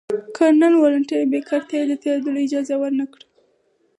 کرنل ولنټین بېکر ته یې د تېرېدلو اجازه ورنه کړه.